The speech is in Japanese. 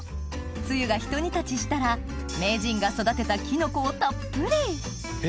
つゆがひと煮立ちしたら名人が育てたキノコをたっぷりえ？